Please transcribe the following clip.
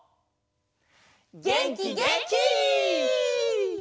げんきげんき！